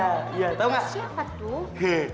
kayak siapa tuh